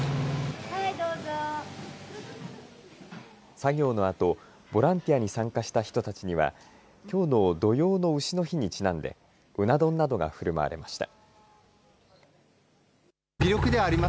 作業のあとボランティアに参加した人たちにはきょうの土用のうしの日にちなんでうな丼などがふるまわれました。